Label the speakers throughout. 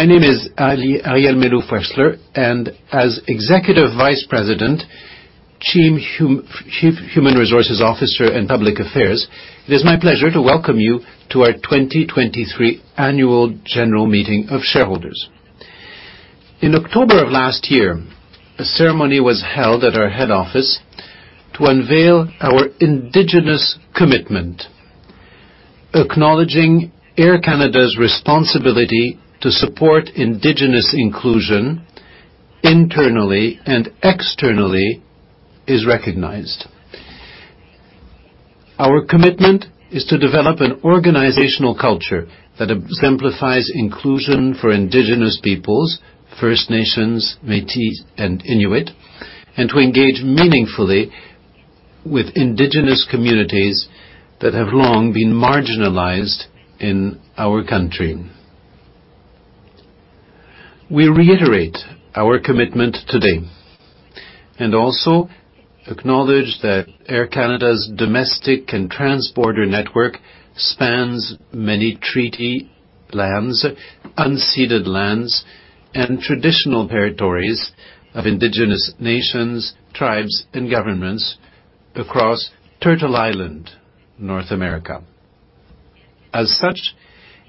Speaker 1: My name is Arielle Meloul-Wechsler, and as Executive Vice President, Chief Human Resources Officer and Public Affairs, it is my pleasure to welcome you to our 2023 Annual General Meeting of Shareholders. In October of last year, a ceremony was held at our head office to unveil our Indigenous commitment, acknowledging Air Canada's responsibility to support Indigenous inclusion internally and externally is recognized. Our commitment is to develop an organizational culture that exemplifies inclusion for Indigenous peoples, First Nations, Métis, and Inuit, and to engage meaningfully with Indigenous communities that have long been marginalized in our country. We reiterate our commitment today and also acknowledge that Air Canada's domestic and transborder network spans many treaty lands, unceded lands, and traditional territories of Indigenous nations, tribes, and governments across Turtle Island, North America. As such,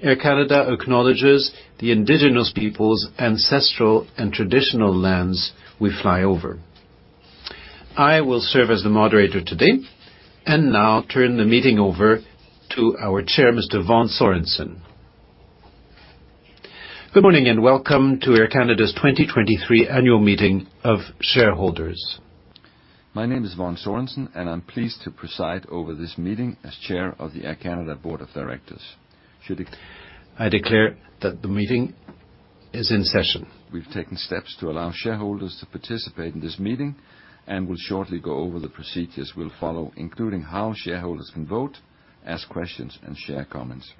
Speaker 1: Air Canada acknowledges the Indigenous people's ancestral and traditional lands we fly over. I will serve as the moderator today and now turn the meeting over to our chair, Mr. Vagn Sørensen. Good morning and welcome to Air Canada's 2023 Annual Meeting of Shareholders.
Speaker 2: My name is Vagn Sørensen, and I'm pleased to preside over this meeting as chair of the Air Canada Board of Directors.
Speaker 1: I declare that the meeting is in session.
Speaker 2: We've taken steps to allow shareholders to participate in this meeting and will shortly go over the procedures we'll follow, including how shareholders can vote, ask questions, and share comments.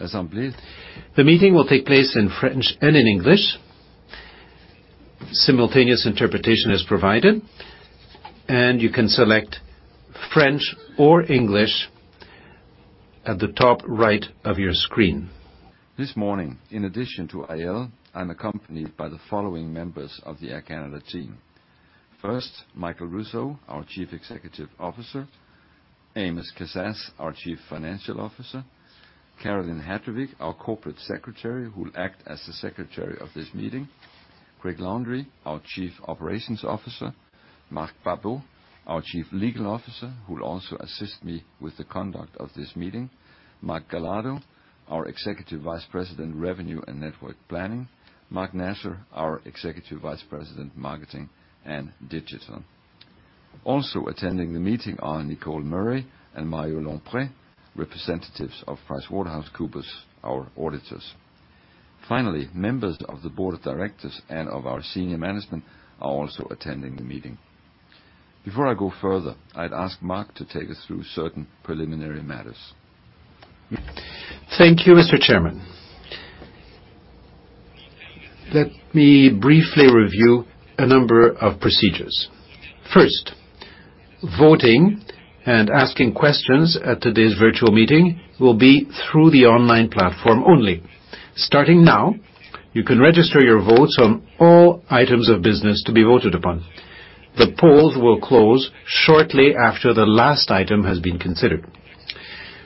Speaker 1: The meeting will take place in French and in English. Simultaneous interpretation is provided, and you can select French or English at the top right of your screen.
Speaker 2: This morning, in addition to Arielle, I'm accompanied by the following members of the Air Canada team. First, Michael Rousseau, our Chief Executive Officer. Amos Kazzaz, our Chief Financial Officer. Caroline Hadrovic, our Corporate Secretary, who will act as the secretary of this meeting. Craig Landry, our Chief Operations Officer. Marc Barbeau, our Chief Legal Officer, who will also assist me with the conduct of this meeting. Mark Galardo, our Executive Vice President, Revenue and Network Planning. Mark Nasr, our Executive Vice President, Marketing and Digital. Also attending the meeting are Nicole Murray and Mario Longpré, representatives of PricewaterhouseCoopers, our auditors. Finally, members of the board of directors and of our senior management are also attending the meeting. Before I go further, I'd ask Mark to take us through certain preliminary matters.
Speaker 3: Thank you, Mr. Chairman. Let me briefly review a number of procedures. First, voting and asking questions at today's virtual meeting will be through the online platform only. Starting now, you can register your votes on all items of business to be voted upon. The polls will close shortly after the last item has been considered.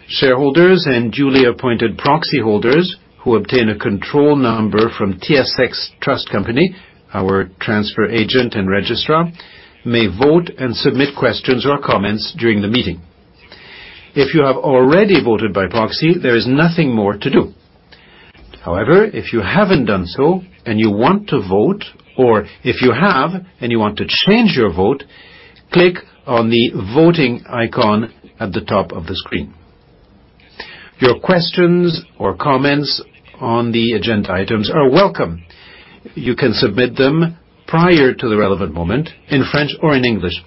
Speaker 3: Shareholders and duly appointed proxy holders who obtain a control number from TSX Trust Company, our transfer agent and registrar, may vote and submit questions or comments during the meeting. If you have already voted by proxy, there is nothing more to do. However, if you haven't done so and you want to vote, or if you have and you want to change your vote, click on the voting icon at the top of the screen. Your questions or comments on the agenda items are welcome. You can submit them prior to the relevant moment in French or in English.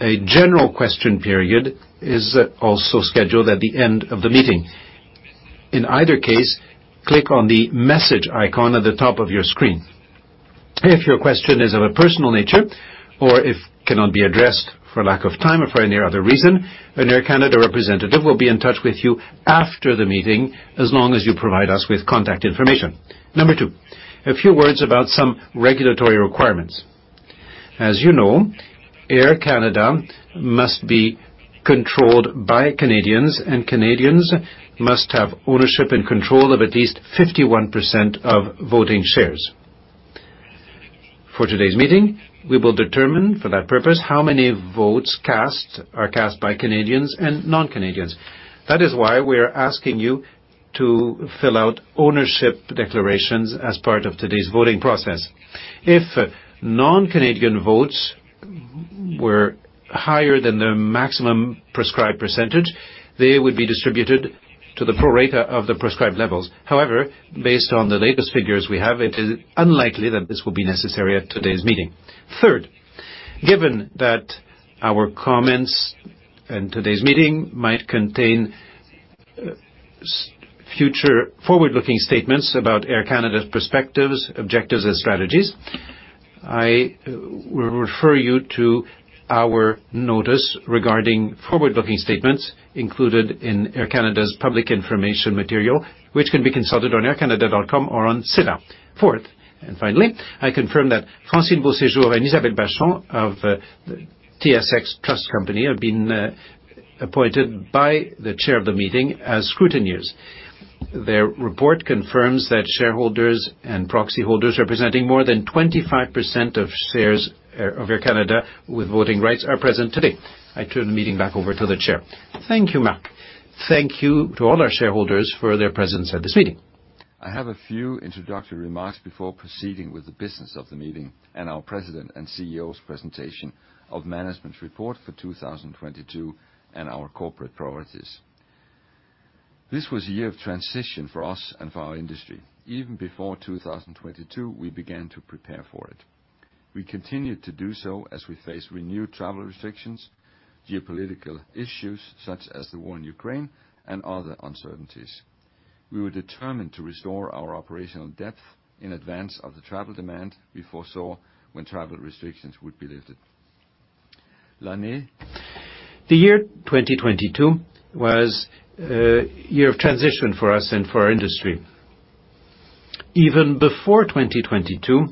Speaker 3: A general question period is also scheduled at the end of the meeting. In either case, click on the message icon at the top of your screen. If your question is of a personal nature or if cannot be addressed for lack of time or for any other reason, an Air Canada representative will be in touch with you after the meeting as long as you provide us with contact information. Number two, a few words about some regulatory requirements. As you know, Air Canada must be controlled by Canadians, and Canadians must have ownership and control of at least 51% of voting shares. For today's meeting, we will determine for that purpose how many votes cast are cast by Canadians and non-Canadians. That is why we are asking you to fill out ownership declarations as part of today's voting process. If non-Canadian votes were higher than the maximum prescribed %, they would be distributed to the pro rata of the prescribed levels. Based on the latest figures we have, it is unlikely that this will be necessary at today's meeting. Third, given that our comments in today's meeting might contain future forward-looking statements about Air Canada's perspectives, objectives, and strategies, I will refer you to our notice regarding forward-looking statements included in Air Canada's public information material, which can be consulted on aircanada.com or on SEDAR. Fourth, finally, I confirm that Francine Beauséjour and Isabelle Bachand of TSX Trust Company have been appointed by the chair of the meeting as scrutineers. Their report confirms that shareholders and proxy holders representing more than 25% of shares of Air Canada with voting rights are present today. I turn the meeting back over to the chair.
Speaker 2: Thank you, Mark. Thank you to all our shareholders for their presence at this meeting. I have a few introductory remarks before proceeding with the business of the meeting and our President and CEO's presentation of management's report for 2022 and our corporate priorities. This was a year of transition for us and for our industry. Even before 2022, we began to prepare for it. We continued to do so as we face renewed travel restrictions, geopolitical issues such as the war in Ukraine, and other uncertainties. We were determined to restore our operational depth in advance of the travel demand we foresaw when travel restrictions would be lifted. The year 2022 was a year of transition for us and for our industry. Even before 2022,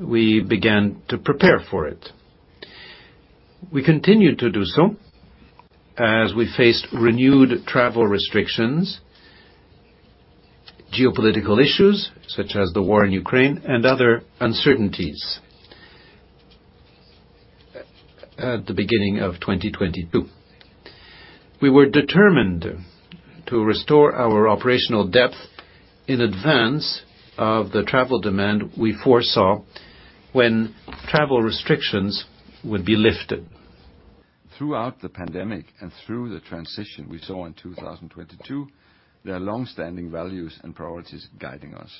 Speaker 2: we began to prepare for it. We continued to do so as we faced renewed travel restrictions, geopolitical issues such as the war in Ukraine, and other uncertainties at the beginning of 2022. We were determined to restore our operational depth in advance of the travel demand we foresaw when travel restrictions would be lifted. Throughout the pandemic and through the transition we saw in 2022, there are long-standing values and priorities guiding us.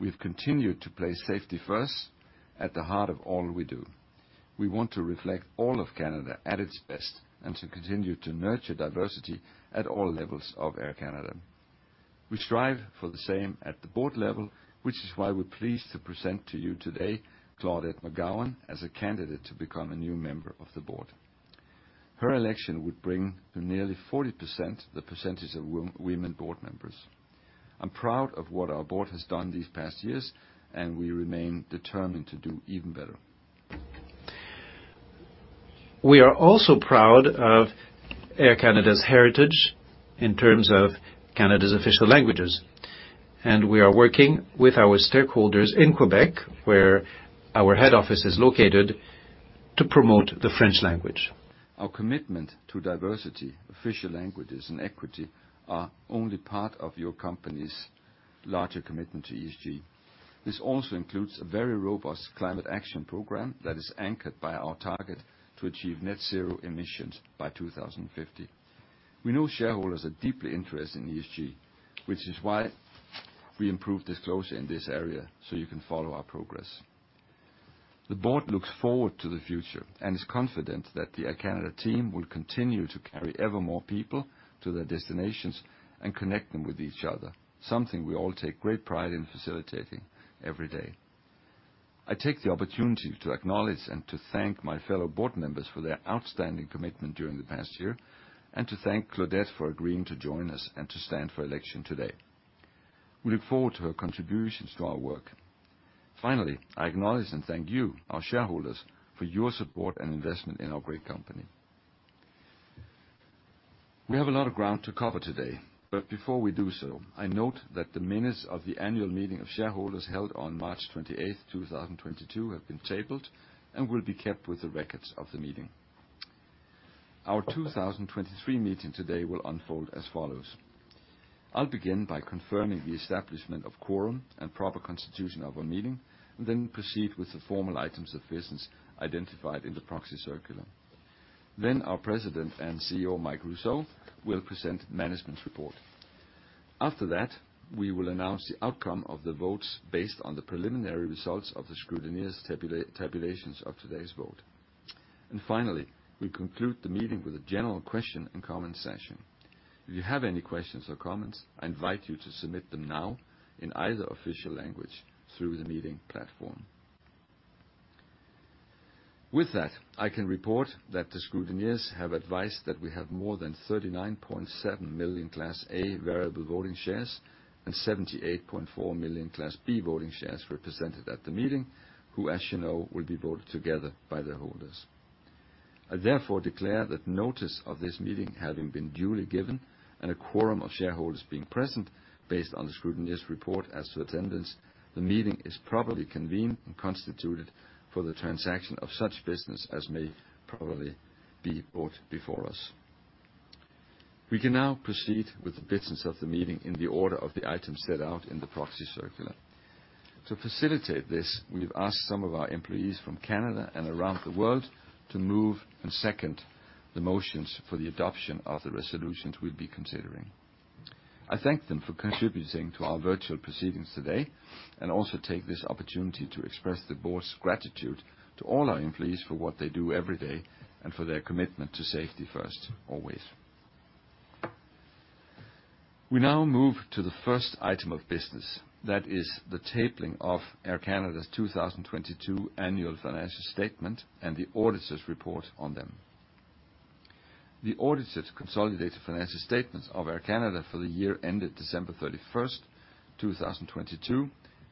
Speaker 2: We've continued to place safety first at the heart of all we do. We want to reflect all of Canada at its best and to continue to nurture diversity at all levels of Air Canada. We strive for the same at the board level, which is why we're pleased to present to you today Claudette McGowan as a candidate to become a new member of the board. Her election would bring to nearly 40% the percentage of women board members. I'm proud of what our board has done these past years, and we remain determined to do even better.
Speaker 1: We are also proud of Air Canada's heritage in terms of Canada's official languages, and we are working with our stakeholders in Quebec, where our head office is located, to promote the French language.
Speaker 2: Our commitment to diversity, official languages, and equity are only part of your company's larger commitment to ESG. This also includes a very robust climate action program that is anchored by our target to achieve net zero emissions by 2050. We know shareholders are deeply interested in ESG, which is why we improve disclosure in this area, so you can follow our progress. The board looks forward to the future and is confident that the Air Canada team will continue to carry ever more people to their destinations and connect them with each other, something we all take great pride in facilitating every day. I take the opportunity to acknowledge and to thank my fellow board members for their outstanding commitment during the past year and to thank Claudette for agreeing to join us and to stand for election today. We look forward to her contributions to our work. I acknowledge and thank you, our shareholders, for your support and investment in our great company. We have a lot of ground to cover today, but before we do so, I note that the minutes of the annual meeting of shareholders held on March 28th, 2022, have been tabled and will be kept with the records of the meeting. Our 2023 meeting today will unfold as follows. I'll begin by confirming the establishment of quorum and proper constitution of our meeting, then proceed with the formal items of business identified in the proxy circular. Our President and CEO, Michael Rousseau, will present management's report. After that, we will announce the outcome of the votes based on the preliminary results of the scrutineers' tabulations of today's vote. Finally, we conclude the meeting with a general question and comment session. If you have any questions or comments, I invite you to submit them now in either official language through the meeting platform. With that, I can report that the scrutineers have advised that we have more than 39.7 million Class A variable voting shares and 78.4 million Class B Voting Shares represented at the meeting, who, as you know, will be voted together by their holders. I therefore declare that notice of this meeting having been duly given and a quorum of shareholders being present based on the scrutineers' report as to attendance, the meeting is properly convened and constituted for the transaction of such business as may properly be brought before us. We can now proceed with the business of the meeting in the order of the items set out in the proxy circular. To facilitate this, we've asked some of our employees from Canada and around the world to move and second the motions for the adoption of the resolutions we'll be considering. I thank them for contributing to our virtual proceedings today and also take this opportunity to express the board's gratitude to all our employees for what they do every day and for their commitment to safety first, always. We now move to the first item of business. That is the tabling of Air Canada's 2022 annual financial statement and the auditor's report on them. The auditor's consolidated financial statements of Air Canada for the year ended December 31st, 2022,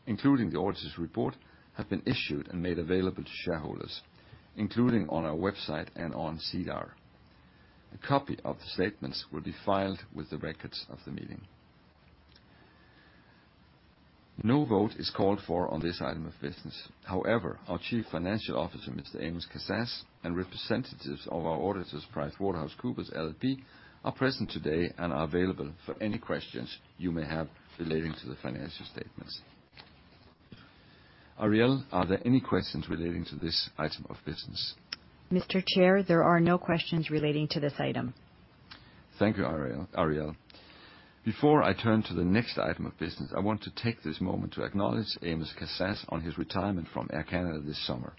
Speaker 2: including the auditor's report, have been issued and made available to shareholders, including on our website and on SEDAR. A copy of the statements will be filed with the records of the meeting. No vote is called for on this item of business. Our Chief Financial Officer, Mr. Amos Kazzaz, and representatives of our auditors, PricewaterhouseCoopers LLP, are present today and are available for any questions you may have relating to the financial statements. Arielle, are there any questions relating to this item of business?
Speaker 1: Mr. Chair, there are no questions relating to this item.
Speaker 2: Thank you, Arielle. Before I turn to the next item of business, I want to take this moment to acknowledge Amos Kazzaz on his retirement from Air Canada this summer.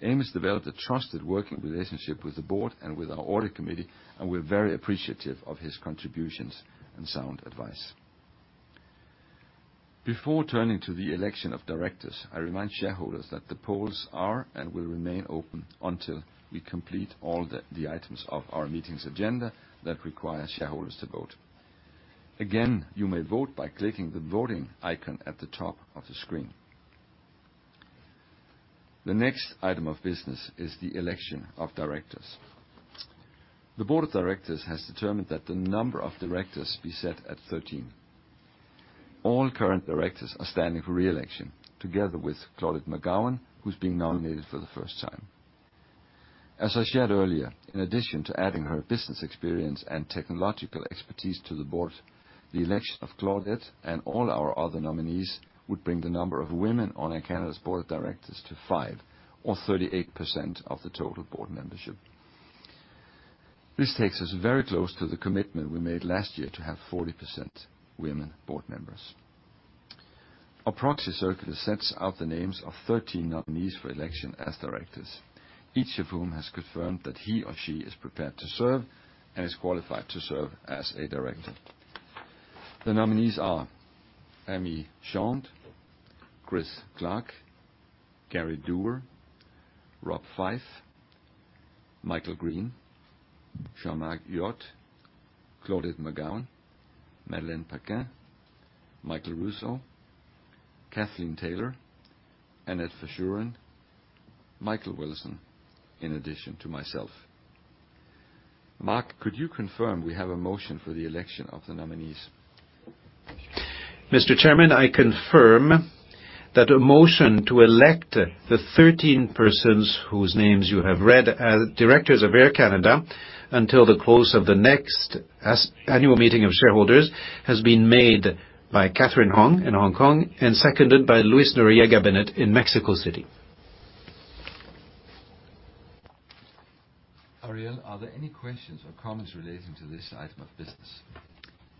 Speaker 2: Amos developed a trusted working relationship with the Board and with our Audit Committee. We're very appreciative of his contributions and sound advice. Before turning to the election of directors, I remind shareholders that the polls are and will remain open until we complete all the items of our meeting's agenda that require shareholders to vote. Again, you may vote by clicking the voting icon at the top of the screen. The next item of business is the election of directors. The Board of Directors has determined that the number of directors be set at 13. All current directors are standing for re-election, together with Claudette McGowan, who's being nominated for the first time. As I shared earlier, in addition to adding her business experience and technological expertise to the board, the election of Claudette and all our other nominees would bring the number of women on Air Canada's board of directors to five or 38% of the total board membership. This takes us very close to the commitment we made last year to have 40% women board members. Our proxy circular sets out the names of 13 nominees for election as directors, each of whom has confirmed that he or she is prepared to serve and is qualified to serve as a director. The nominees are Amee Chande, Christy Clark, Gary A. Doer, Rob Fyfe, Michael M. Green, Jean-Marc Huët, Claudette McGowan, Madeleine Paquin, Michael Rousseau, Kathleen Taylor, Annette Verschuren, Michael M. Wilson, in addition to myself. Marc, could you confirm we have a motion for the election of the nominees?
Speaker 1: Mr. Chairman, I confirm that a motion to elect the 13 persons whose names you have read as directors of Air Canada until the close of the next annual meeting of shareholders has been made by Catherine Hong in Hong Kong and seconded by Luis Noriega Benet in Mexico City.
Speaker 2: Arielle, are there any questions or comments relating to this item of business?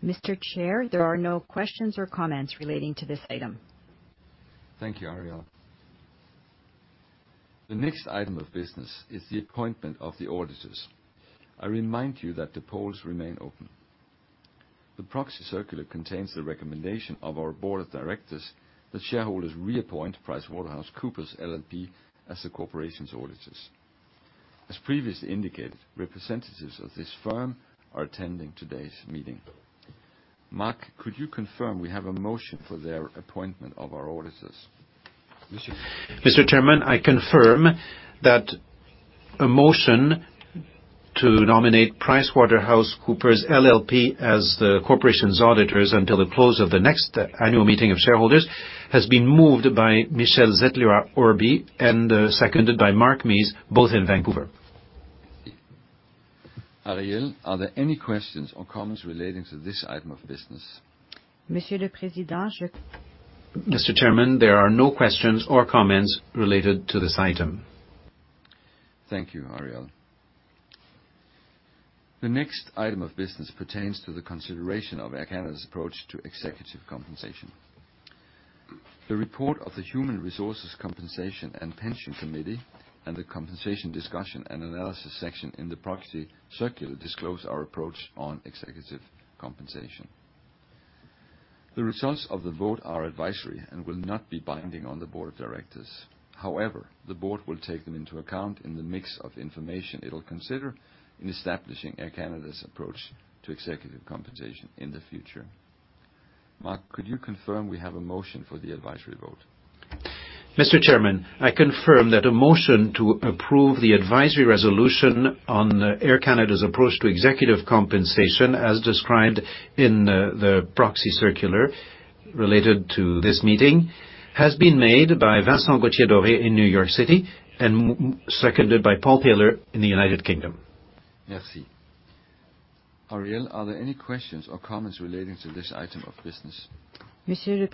Speaker 1: Mr. Chair, there are no questions or comments relating to this item.
Speaker 2: Thank you, Arielle. The next item of business is the appointment of the auditors. I remind you that the polls remain open. The proxy circular contains the recommendation of our board of directors that shareholders reappoint PricewaterhouseCoopers LLP, as the corporation's auditors. As previously indicated, representatives of this firm are attending today's meeting. Marc, could you confirm we have a motion for their appointment of our auditors?
Speaker 1: Mr. Chairman, I confirm that a motion to nominate PricewaterhouseCoopers LLP, as the corporation's auditors until the close of the next annual meeting of shareholders, has been moved by Michelle Zettler-Orr and seconded by Mark Meese, both in Vancouver.
Speaker 2: Arielle, are there any questions or comments relating to this item of business?
Speaker 1: Mr. Chairman, there are no questions or comments related to this item.
Speaker 2: Thank you, Arielle. The next item of business pertains to the consideration of Air Canada's approach to executive compensation. The report of the Human Resources, Compensation and Pension Committee and the compensation discussion and analysis section in the proxy circular disclose our approach on executive compensation. The results of the vote are advisory and will not be binding on the board of directors. However, the board will take them into account in the mix of information it will consider in establishing Air Canada's approach to executive compensation in the future. Marc, could you confirm we have a motion for the advisory vote?
Speaker 1: Mr. Chairman, I confirm that a motion to approve the advisory resolution on Air Canada's approach to executive compensation, as described in the proxy circular related to this meeting, has been made by Vincent Gauthier-Doré in New York City and seconded by Paul Taylor in the United Kingdom.
Speaker 2: Merci. Arielle, are there any questions or comments relating to this item of business?
Speaker 1: Mr.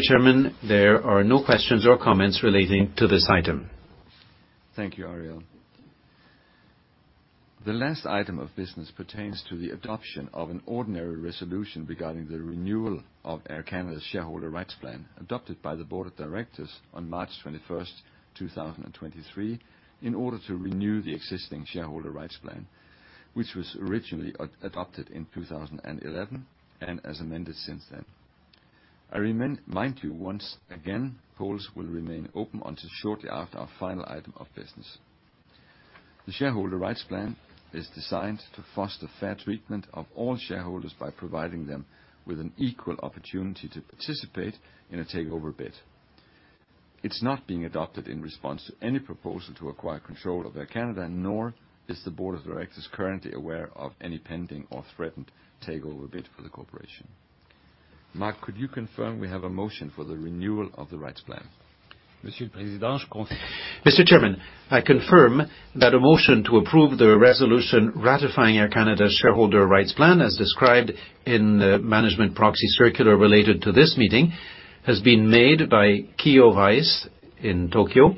Speaker 1: Chairman, there are no questions or comments relating to this item.
Speaker 2: Thank you, Arielle. The last item of business pertains to the adoption of an ordinary resolution regarding the renewal of Air Canada's Shareholder Rights Plan, adopted by the board of directors on March 21, 2023, in order to renew the existing Shareholder Rights Plan, which was originally adopted in 2011 and as amended since then. I remind you once again, polls will remain open until shortly after our final item of business. The Shareholder Rights Plan is designed to foster fair treatment of all shareholders by providing them with an equal opportunity to participate in a takeover bid. It's not being adopted in response to any proposal to acquire control of Air Canada, nor is the board of directors currently aware of any pending or threatened takeover bid for the corporation. Mark, could you confirm we have a motion for the renewal of the Rights Plan?
Speaker 3: Mr. Chairman, I confirm that a motion to approve the resolution ratifying Air Canada's Shareholder Rights Plan, as described in the management proxy circular related to this meeting, has been made by Kyo Weiss in Tokyo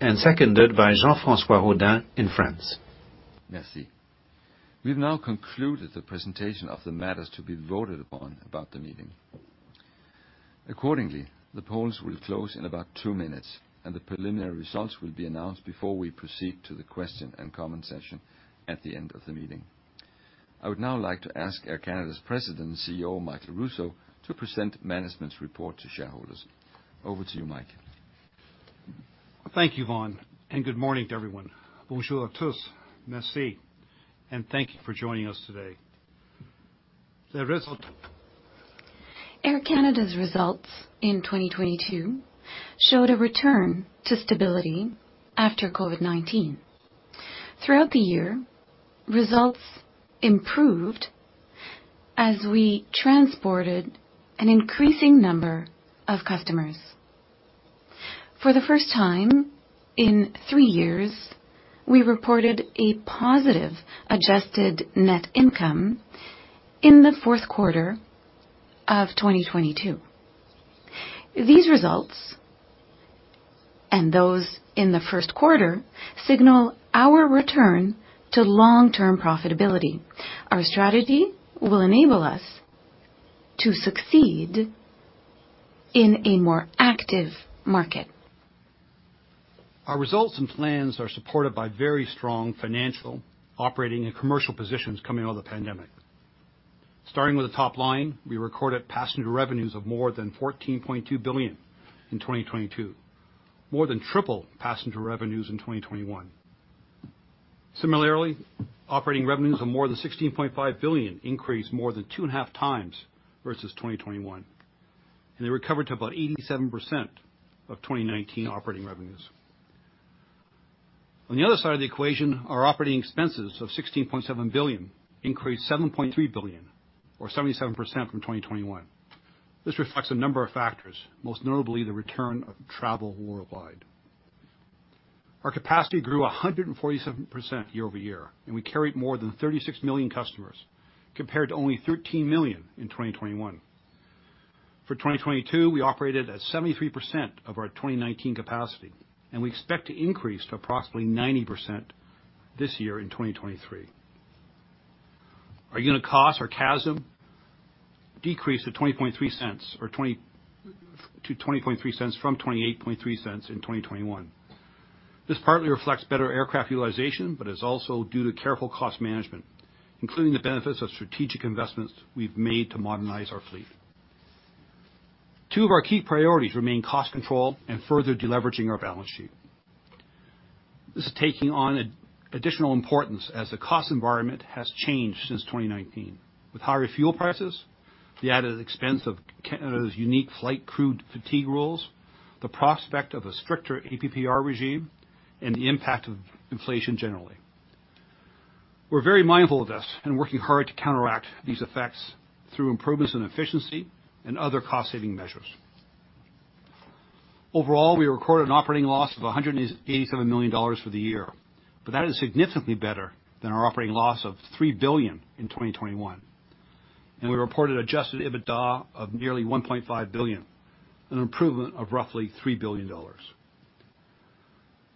Speaker 3: and seconded by Jean-François Raud in France.
Speaker 2: Merci. We've now concluded the presentation of the matters to be voted upon about the meeting. The polls will close in about two minutes, and the preliminary results will be announced before we proceed to the question and comment session at the end of the meeting. I would now like to ask Air Canada's President and CEO, Michael Rousseau, to present management's report to shareholders. Over to you, Mike.
Speaker 4: Thank you, Vagn, and good morning to everyone. Bonjour a tous. Merci, and thank you for joining us today.
Speaker 1: Air Canada's results in 2022 showed a return to stability after COVID-19. Throughout the year, results improved as we transported an increasing number of customers. For the first time in three years, we reported a positive adjusted net income in the fourth quarter of 2022. These results, and those in the first quarter, signal our return to long-term profitability. Our strategy will enable us to succeed in a more active market.
Speaker 4: Our results and plans are supported by very strong financial, operating, and commercial positions coming out of the pandemic. Starting with the top line, we recorded passenger revenues of more than 14.2 billion in 2022, more than triple passenger revenues in 2021. Similarly, operating revenues of more than 16.5 billion increased more than 2.5 times versus 2021, and they recovered to about 87% of 2019 operating revenues. On the other side of the equation, our operating expenses of 16.7 billion increased 7.3 billion, or 77% from 2021. This reflects a number of factors, most notably the return of travel worldwide. Our capacity grew 147% year-over-year, and we carried more than 36 million customers, compared to only 13 million in 2021. For 2022, we operated at 73% of our 2019 capacity. We expect to increase to approximately 90% this year in 2023. Our unit cost, or CASM, decreased to 0.203 from 0.283 in 2021. This partly reflects better aircraft utilization, but is also due to careful cost management, including the benefits of strategic investments we've made to modernize our fleet. Two of our key priorities remain cost control and further deleveraging our balance sheet. This is taking on additional importance as the cost environment has changed since 2019, with higher fuel prices, the added expense of Canada's unique flight crew fatigue rules, the prospect of a stricter APPR regime, and the impact of inflation generally. We're very mindful of this and working hard to counteract these effects through improvements in efficiency and other cost-saving measures. Overall, we recorded an operating loss of 187 million for the year, that is significantly better than our operating loss of 3 billion in 2021. We reported adjusted EBITDA of nearly 1.5 billion, an improvement of roughly $3 billion.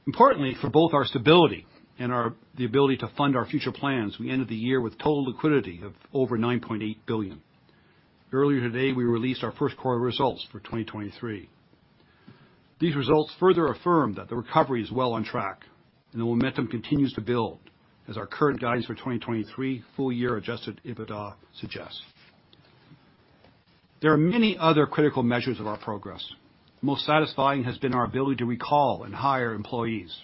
Speaker 4: Importantly, for both our stability and the ability to fund our future plans, we ended the year with total liquidity of over 9.8 billion. Earlier today, we released our first quarter results for 2023. These results further affirm that the recovery is well on track and the momentum continues to build as our current guidance for 2023 full year adjusted EBITDA suggests. There are many other critical measures of our progress. Most satisfying has been our ability to recall and hire employees.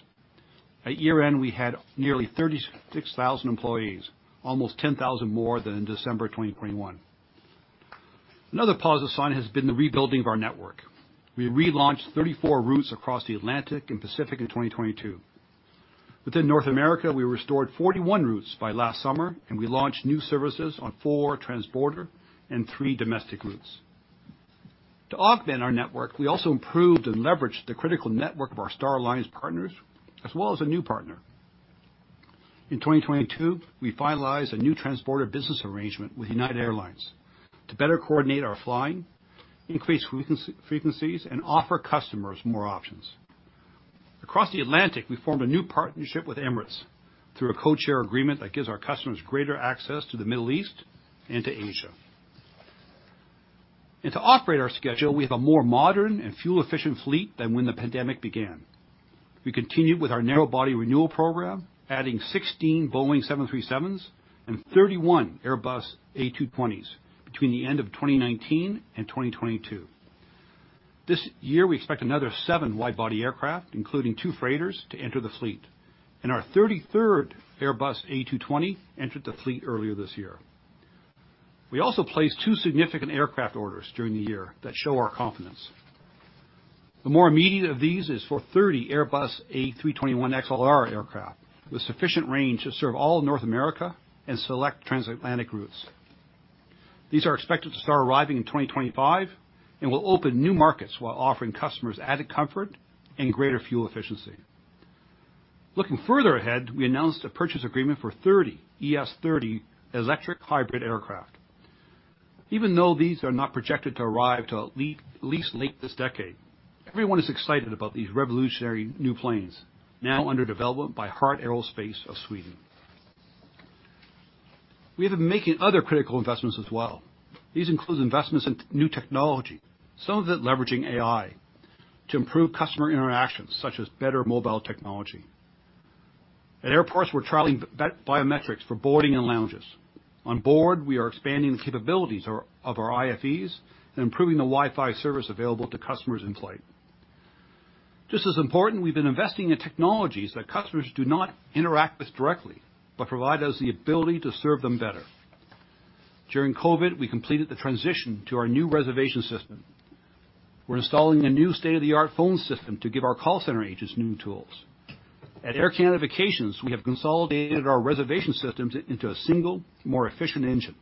Speaker 4: At year-end, we had nearly 36,000 employees, almost 10,000 more than in December 2021. Another positive sign has been the rebuilding of our network. We relaunched 34 routes across the Atlantic and Pacific in 2022. Within North America, we restored 41 routes by last summer, and we launched new services on four transborder and three domestic routes. To augment our network, we also improved and leveraged the critical network of our Star Alliance partners, as well as a new partner. In 2022, we finalized a new transborder business arrangement with United Airlines to better coordinate our flying, increase frequencies, and offer customers more options. Across the Atlantic, we formed a new partnership with Emirates through a codeshare agreement that gives our customers greater access to the Middle East and to Asia. To operate our schedule, we have a more modern and fuel-efficient fleet than when the pandemic began. We continued with our narrow-body renewal program, adding 16 Boeing 737s and 31 Airbus A220s between the end of 2019 and 2022. This year we expect another seven wide-body aircraft, including two freighters, to enter the fleet, and our 33rd Airbus A220 entered the fleet earlier this year. We also placed two significant aircraft orders during the year that show our confidence. The more immediate of these is for 30 Airbus A321XLR aircraft with sufficient range to serve all of North America and select transatlantic routes. These are expected to start arriving in 2025 and will open new markets while offering customers added comfort and greater fuel efficiency. Looking further ahead, we announced a purchase agreement for 30 ES-30 electric hybrid aircraft. Even though these are not projected to arrive till at least late this decade, everyone is excited about these revolutionary new planes now under development by Heart Aerospace. We have been making other critical investments as well. These include investments in new technology, some of it leveraging AI to improve customer interactions such as better mobile technology. At airports, we're trialing biometrics for boarding and lounges. On board, we are expanding the capabilities of our IFEs and improving the Wi-Fi service available to customers in flight. Just as important, we've been investing in technologies that customers do not interact with directly, but provide us the ability to serve them better. During COVID, we completed the transition to our new reservation system. We're installing a new state-of-the-art phone system to give our call center agents new tools. At Air Canada Vacations, we have consolidated our reservation systems into a single, more efficient engine.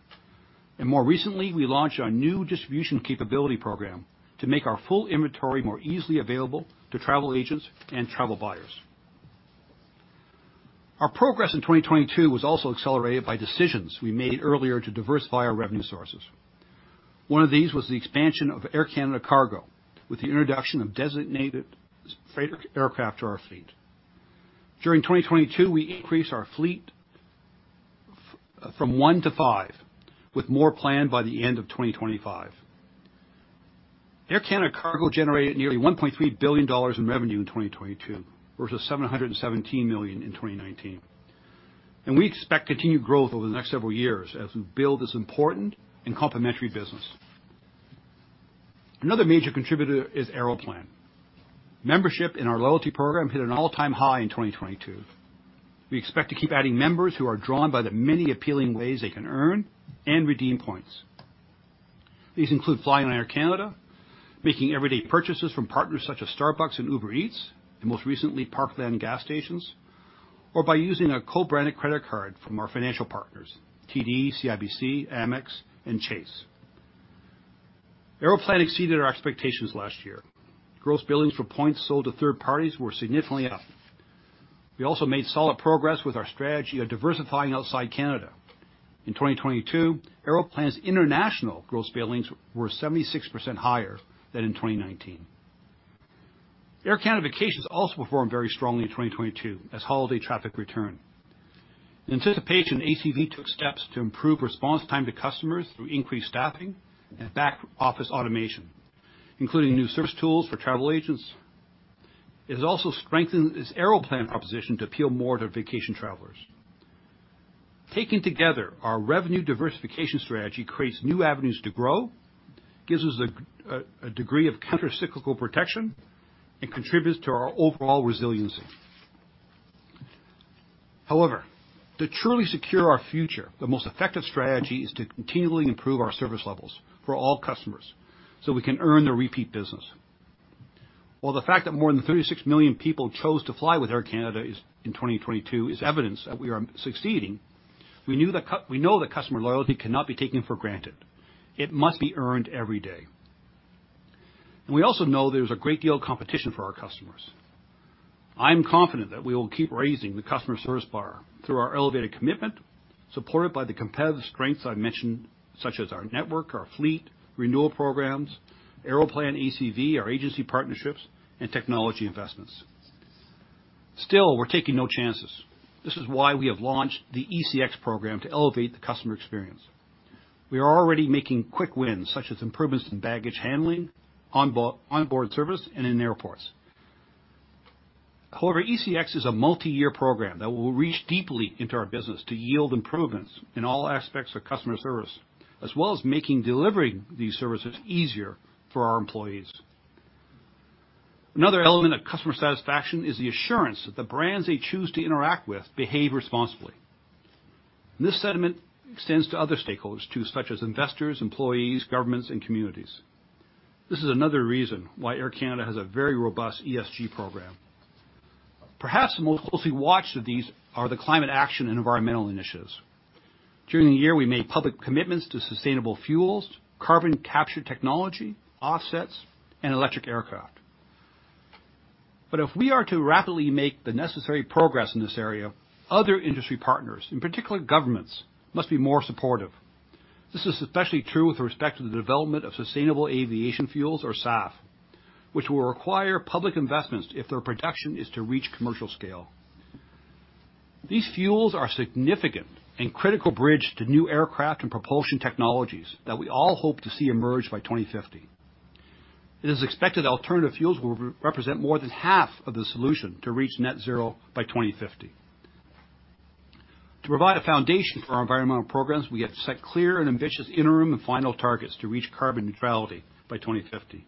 Speaker 4: More recently, we launched our New Distribution Capability program to make our full inventory more easily available to travel agents and travel buyers. Our progress in 2022 was also accelerated by decisions we made earlier to diversify our revenue sources. One of these was the expansion of Air Canada Cargo with the introduction of designated freighter aircraft to our fleet. During 2022, we increased our fleet from one to five, with more planned by the end of 2025. Air Canada Cargo generated nearly $1.3 billion in revenue in 2022 versus 717 million in 2019. We expect continued growth over the next several years as we build this important and complementary business. Another major contributor is Aeroplan. Membership in our loyalty program hit an all-time high in 2022. We expect to keep adding members who are drawn by the many appealing ways they can earn and redeem points. These include flying on Air Canada, making everyday purchases from partners such as Starbucks and Uber Eats, and most recently Parkland, or by using a co-branded credit card from our financial partners TD, CIBC, Amex, and Chase. Aeroplan exceeded our expectations last year. Gross billings for points sold to third parties were significantly up. We also made solid progress with our strategy of diversifying outside Canada. In 2022, Aeroplan's international gross billings were 76% higher than in 2019. Air Canada Vacations also performed very strongly in 2022 as holiday traffic returned. In anticipation, ACV took steps to improve response time to customers through increased staffing and back-office automation, including new service tools for travel agents. It has also strengthened its Aeroplan proposition to appeal more to vacation travelers. Taken together, our revenue diversification strategy creates new avenues to grow, gives us a degree of countercyclical protection, and contributes to our overall resiliency. To truly secure our future, the most effective strategy is to continually improve our service levels for all customers so we can earn their repeat business. While the fact that more than 36 million people chose to fly with Air Canada in 2022 is evidence that we are succeeding, we know that customer loyalty cannot be taken for granted. It must be earned every day. We also know there is a great deal of competition for our customers. I am confident that we will keep raising the customer service bar through our elevated commitment, supported by the competitive strengths I mentioned, such as our network, our fleet, renewal programs, Aeroplan, ACV, our agency partnerships and technology investments. We're taking no chances. This is why we have launched the ECX program to elevate the customer experience. We are already making quick wins, such as improvements in baggage handling, onboard service, and in airports. ECX is a multi-year program that will reach deeply into our business to yield improvements in all aspects of customer service, as well as making delivering these services easier for our employees. Another element of customer satisfaction is the assurance that the brands they choose to interact with behave responsibly. This sentiment extends to other stakeholders, too, such as investors, employees, governments, and communities. This is another reason why Air Canada has a very robust ESG program. Perhaps the most closely watched of these are the climate action and environmental initiatives. During the year, we made public commitments to sustainable fuels, carbon capture technology, offsets, and electric aircraft. If we are to rapidly make the necessary progress in this area, other industry partners, in particular governments, must be more supportive. This is especially true with respect to the development of sustainable aviation fuels or SAF, which will require public investments if their production is to reach commercial scale. These fuels are significant and critical bridge to new aircraft and propulsion technologies that we all hope to see emerge by 2050. It is expected alternative fuels will re-represent more than half of the solution to reach net zero by 2050. To provide a foundation for our environmental programs, we have to set clear and ambitious interim and final targets to reach carbon neutrality by 2050.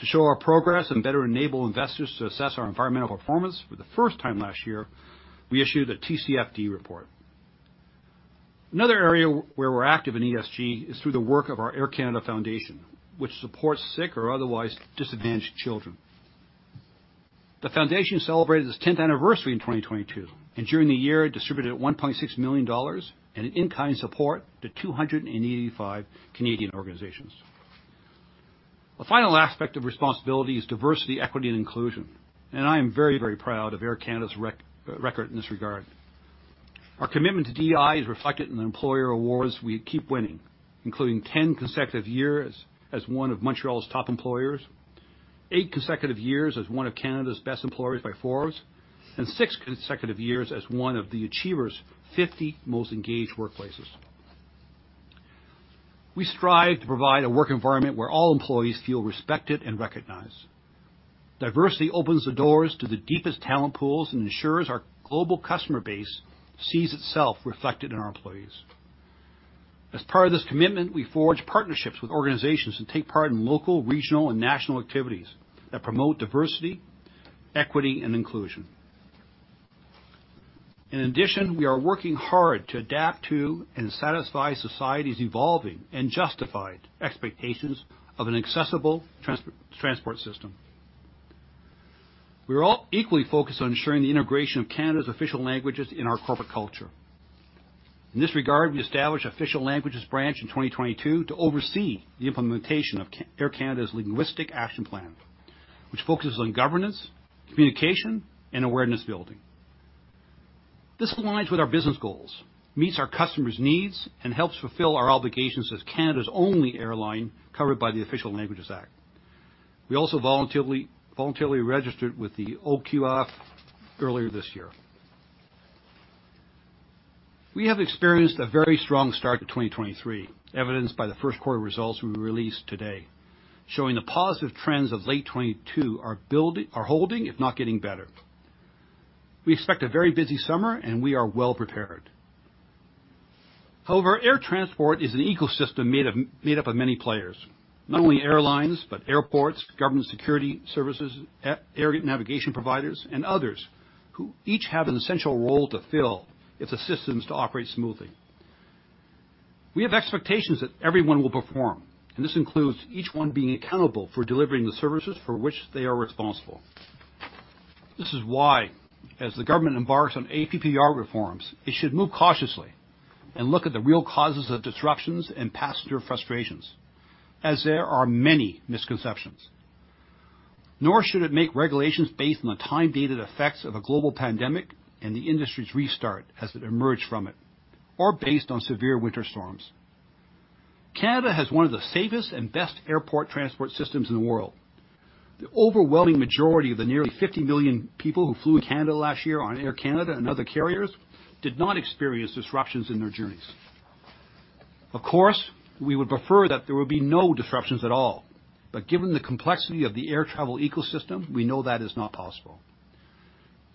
Speaker 4: To show our progress and better enable investors to assess our environmental performance, for the first time last year, we issued a TCFD report. Another area where we're active in ESG is through the work of our Air Canada Foundation, which supports sick or otherwise disadvantaged children. The foundation celebrated its 10th anniversary in 2022. During the year, it distributed $1.6 million and in kind support to 285 Canadian organizations. The final aspect of responsibility is diversity, equity, and inclusion. I am very, very proud of Air Canada's record in this regard. Our commitment to DEI is reflected in the employer awards we keep winning, including 10 consecutive years as one of Montreal's top employers, eight consecutive years as one of Canada's best employers by Forbes, six consecutive years as one of the Achievers Most Engaged Workplaces. We strive to provide a work environment where all employees feel respected and recognized. Diversity opens the doors to the deepest talent pools and ensures our global customer base sees itself reflected in our employees. As part of this commitment, we forge partnerships with organizations and take part in local, regional, and national activities that promote diversity, equity, and inclusion. In addition, we are working hard to adapt to and satisfy society's evolving and justified expectations of an accessible trans-transport system. We are all equally focused on ensuring the integration of Canada's official languages in our corporate culture. In this regard, we established Official Languages Branch in 2022 to oversee the implementation of Air Canada's linguistic action plan, which focuses on governance, communication, and awareness building. This aligns with our business goals, meets our customers' needs, and helps fulfill our obligations as Canada's only airline covered by the Official Languages Act. We also voluntarily registered with the OQLF earlier this year. We have experienced a very strong start to 2023, evidenced by the first quarter results we released today, showing the positive trends of late 22 are holding, if not getting better. We expect a very busy summer, and we are well prepared. However, air transport is an ecosystem made up of many players. Not only airlines, but airports, government security services, air navigation providers, and others who each have an essential role to fill if the system is to operate smoothly. We have expectations that everyone will perform, and this includes each one being accountable for delivering the services for which they are responsible. As the government embarks on APPR reforms, it should move cautiously and look at the real causes of disruptions and passenger frustrations, as there are many misconceptions. Nor should it make regulations based on the time-dated effects of a global pandemic and the industry's restart as it emerged from it, or based on severe winter storms. Canada has one of the safest and best airport transport systems in the world. The overwhelming majority of the nearly 50 million people who flew to Canada last year on Air Canada and other carriers did not experience disruptions in their journeys. Of course, we would prefer that there would be no disruptions at all, given the complexity of the air travel ecosystem, we know that is not possible.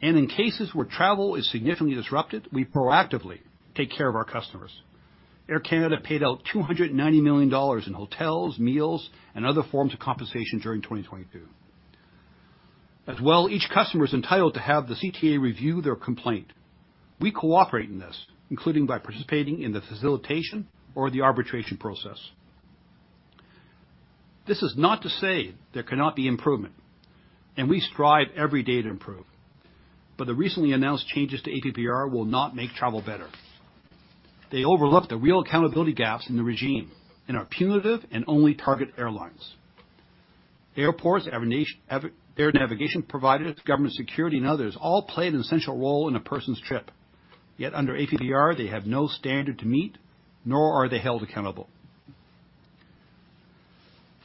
Speaker 4: In cases where travel is significantly disrupted, we proactively take care of our customers. Air Canada paid out 290 million dollars in hotels, meals, and other forms of compensation during 2022. As well, each customer is entitled to have the CTA review their complaint. We cooperate in this, including by participating in the facilitation or the arbitration process. This is not to say there cannot be improvement, and we strive every day to improve. The recently announced changes to APPR will not make travel better. They overlook the real accountability gaps in the regime and are punitive and only target airlines. Airports, air navigation providers, government security, and others all play an essential role in a person's trip. Yet under APPR, they have no standard to meet, nor are they held accountable.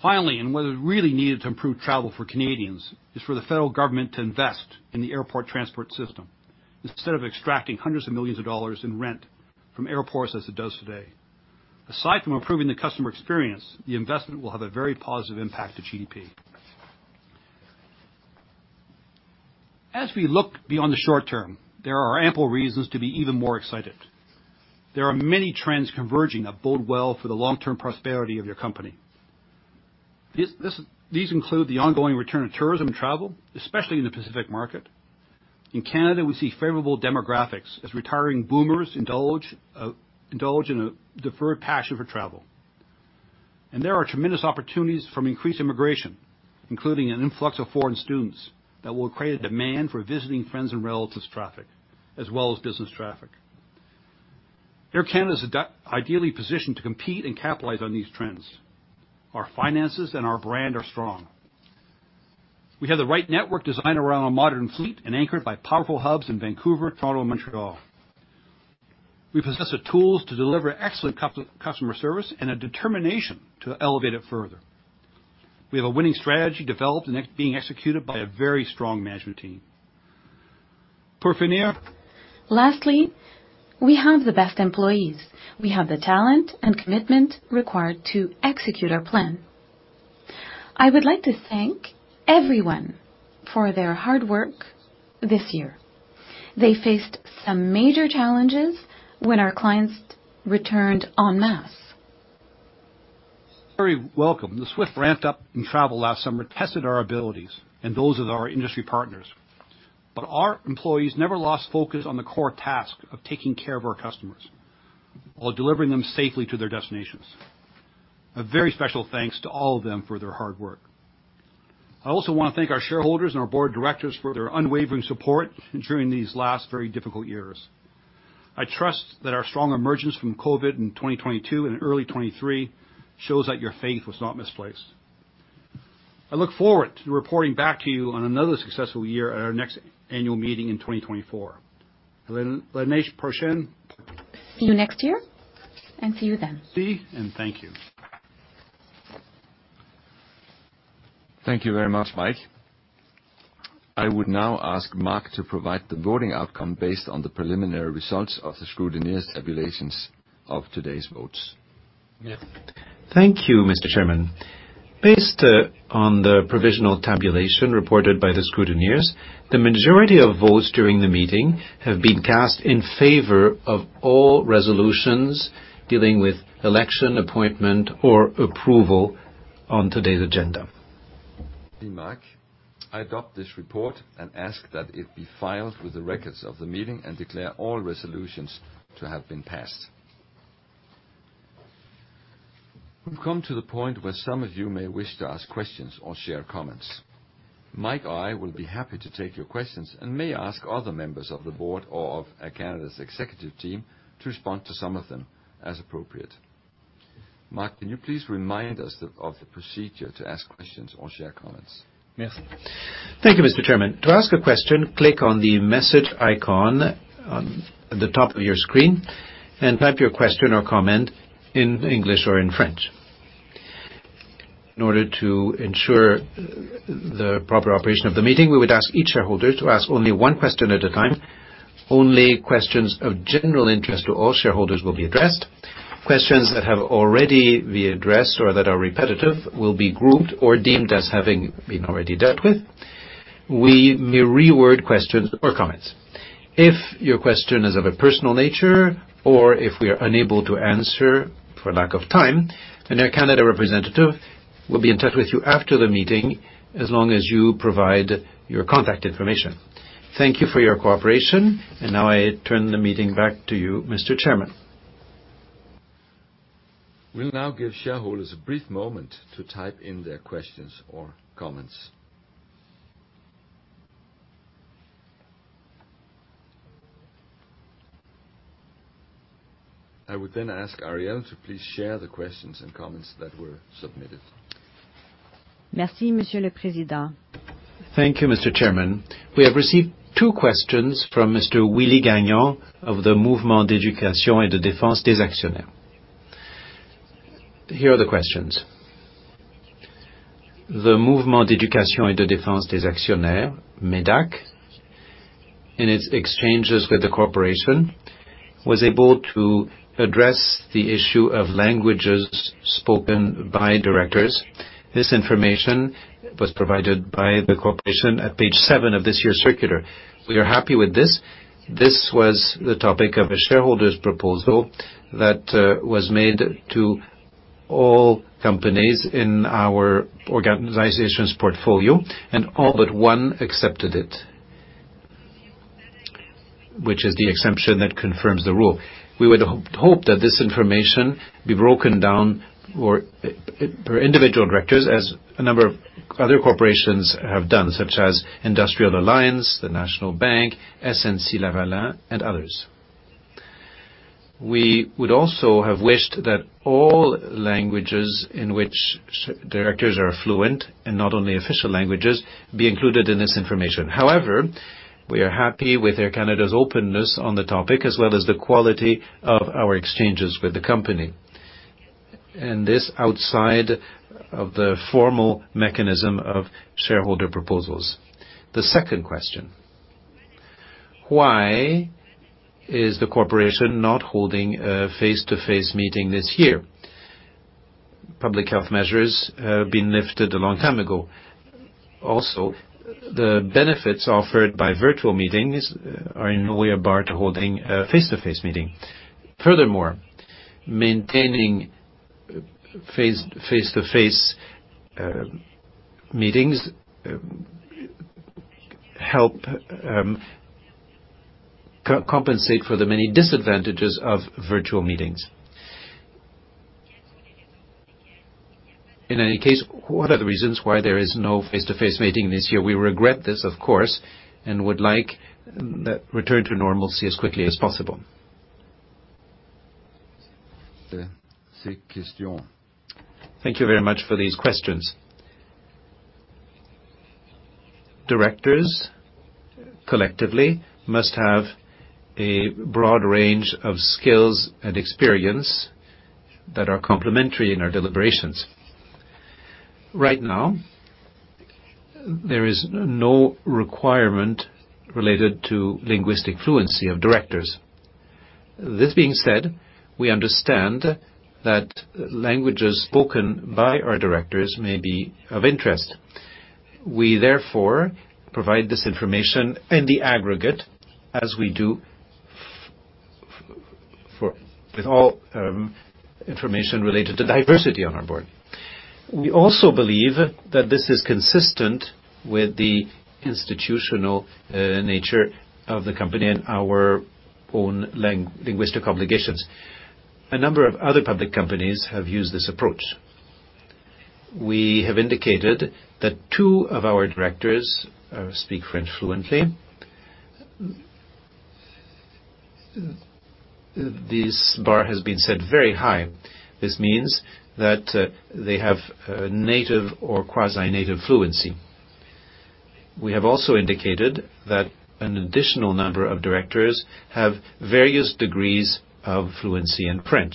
Speaker 4: Finally, what is really needed to improve travel for Canadians, is for the federal government to invest in the airport transport system instead of extracting hundreds of millions dollars in rent from airports as it does today. Aside from improving the customer experience, the investment will have a very positive impact to GDP. As we look beyond the short term, there are ample reasons to be even more excited. There are many trends converging that bode well for the long-term prosperity of your company. These include the ongoing return of tourism and travel, especially in the Pacific market. In Canada, we see favorable demographics as retiring boomers indulge in a deferred passion for travel. There are tremendous opportunities from increased immigration, including an influx of foreign students that will create a demand for visiting friends and relatives traffic, as well as business traffic. Air Canada is ideally positioned to compete and capitalize on these trends. Our finances and our brand are strong. We have the right network designed around a modern fleet and anchored by powerful hubs in Vancouver, Toronto, and Montreal. We possess the tools to deliver excellent customer service and a determination to elevate it further. We have a winning strategy developed and being executed by a very strong management team.
Speaker 1: Lastly, we have the best employees. We have the talent and commitment required to execute our plan. I would like to thank everyone for their hard work this year. They faced some major challenges when our clients returned en masse.
Speaker 4: Very welcome. The swift ramp-up in travel last summer tested our abilities and those of our industry partners. Our employees never lost focus on the core task of taking care of our customers while delivering them safely to their destinations. A very special thanks to all of them for their hard work. I also wanna thank our shareholders and our board of directors for their unwavering support during these last very difficult years. I trust that our strong emergence from COVID in 2022 and early 2023 shows that your faith was not misplaced. I look forward to reporting back to you on another successful year at our next annual meeting in 2024.
Speaker 1: See you next year, and see you then.
Speaker 4: Thank you.
Speaker 2: Thank you very much, Mike. I would now ask Mark to provide the voting outcome based on the preliminary results of the scrutineers' tabulations of today's votes.
Speaker 3: Thank you, Mr. Chairman. Based on the provisional tabulation reported by the scrutineers, the majority of votes during the meeting have been cast in favor of all resolutions dealing with election, appointment, or approval on today's agenda.
Speaker 2: Thank you, Mark. I adopt this report and ask that it be filed with the records of the meeting and declare all resolutions to have been passed. We've come to the point where some of you may wish to ask questions or share comments. Mike and I will be happy to take your questions and may ask other members of the board or of Air Canada's executive team to respond to some of them as appropriate. Mark, can you please remind us of the procedure to ask questions or share comments?
Speaker 4: Thank you, Mr. Chairman. To ask a question, click on the message icon on the top of your screen and type your question or comment in English or in French. In order to ensure the proper operation of the meeting, we would ask each shareholder to ask only one question at a time. Only questions of general interest to all shareholders will be addressed. Questions that have already been addressed or that are repetitive will be grouped or deemed as having been already dealt with. We may reword questions or comments. If your question is of a personal nature, or if we are unable to answer for lack of time, an Air Canada representative will be in touch with you after the meeting as long as you provide your contact information. Thank you for your cooperation. Now I turn the meeting back to you, Mr. Chairman.
Speaker 2: We'll now give shareholders a brief moment to type in their questions or comments. I would then ask Arielle to please share the questions and comments that were submitted.
Speaker 1: Merci, Monsieur le Président.
Speaker 3: Thank you, Mr. Chairman. We have received two questions from Mr. Willie Gagnon of the Mouvement d'éducation et de défense des actionnaires. Here are the questions. The Mouvement d'éducation et de défense des actionnaires, MÉDAC, in its exchanges with the corporation, was able to address the issue of languages spoken by directors. This information was provided by the corporation at page seven of this year's circular. We are happy with this. This was the topic of a shareholder's proposal that was made to all companies in our organization's portfolio, and all but one accepted it, which is the exception that confirms the rule. We would hope that this information be broken down for per individual directors as a number of other corporations have done, such as Industrial Alliance, the National Bank, SNC-Lavalin, and others. We would also have wished that all languages in which directors are fluent, and not only official languages, be included in this information. However, we are happy with Air Canada's openness on the topic as well as the quality of our exchanges with the company. This outside of the formal mechanism of shareholder proposals. The second question: Why is the corporation not holding a face-to-face meeting this year? Public health measures have been lifted a long time ago. The benefits offered by virtual meetings are in no way a bar to holding a face-to-face meeting. Maintaining face-to-face meetings help compensate for the many disadvantages of virtual meetings. In any case, what are the reasons why there is no face-to-face meeting this year? We regret this, of course, and would like that return to normalcy as quickly as possible. Thank you very much for these questions. Directors collectively must have a broad range of skills and experience that are complementary in our deliberations. Right now, there is no requirement related to linguistic fluency of directors. This being said, we understand that languages spoken by our directors may be of interest. We therefore provide this information in the aggregate as we do With all information related to diversity on our board. We also believe that this is consistent with the institutional nature of the company and our own linguistic obligations. A number of other public companies have used this approach. We have indicated that two of our directors speak French fluently. This bar has been set very high. This means that they have native or quasi-native fluency. We have also indicated that an additional number of directors have various degrees of fluency in French.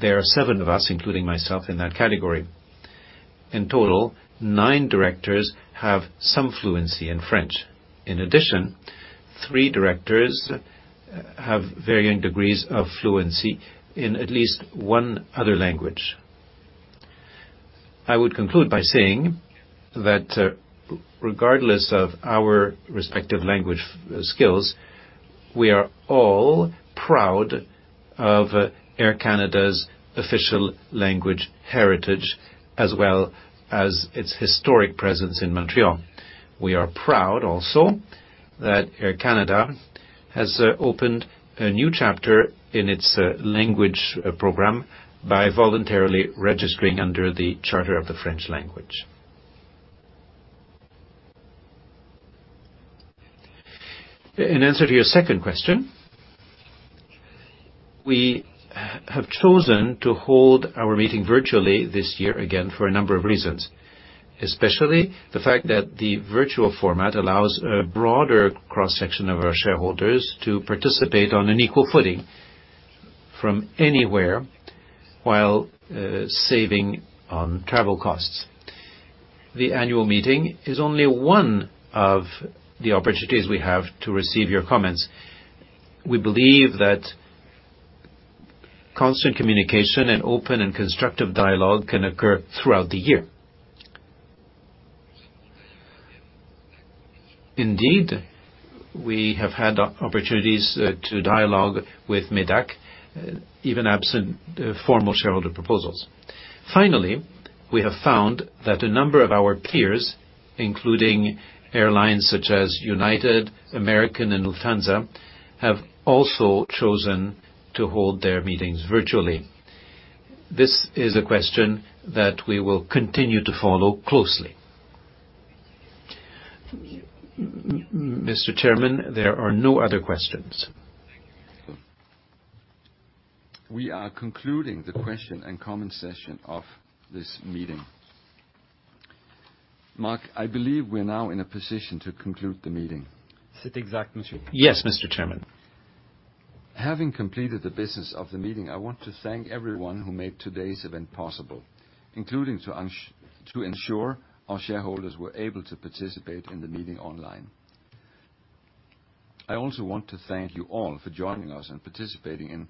Speaker 3: There are seven of us, including myself in that category. In total, nine directors have some fluency in French. In addition, three directors have varying degrees of fluency in at least one other language. I would conclude by saying that regardless of our respective language skills, we are all proud of Air Canada's official language heritage as well as its historic presence in Montreal. We are proud also that Air Canada has opened a new chapter in its language program by voluntarily registering under the Charter of the French language. In answer to your second question, we have chosen to hold our meeting virtually this year, again, for a number of reasons, especially the fact that the virtual format allows a broader cross-section of our shareholders to participate on an equal footing from anywhere while saving on travel costs. The annual meeting is only one of the opportunities we have to receive your comments. We believe that constant communication and open and constructive dialogue can occur throughout the year. Indeed, we have had opportunities to dialogue with MÉDAC, even absent formal shareholder proposals. Finally, we have found that a number of our peers, including airlines such as United, American, and Lufthansa, have also chosen to hold their meetings virtually. This is a question that we will continue to follow closely. Mr. Chairman, there are no other questions.
Speaker 2: We are concluding the question and comment session of this meeting. Mark, I believe we're now in a position to conclude the meeting.
Speaker 1: Yes, Mr. Chairman.
Speaker 2: Having completed the business of the meeting, I want to thank everyone who made today's event possible, including to ensure our shareholders were able to participate in the meeting online. I also want to thank you all for joining us and participating in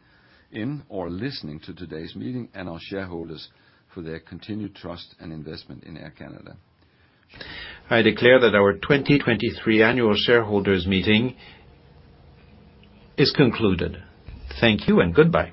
Speaker 2: or listening to today's meeting, and our shareholders for their continued trust and investment in Air Canada.
Speaker 3: I declare that our 2023 annual shareholders meeting is concluded. Thank you and goodbye.